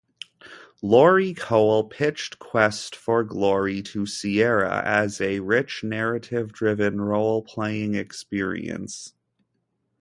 Lori Cole pitched Quest for Glory to Sierra as a: "rich, narrative-driven, role-playing experience".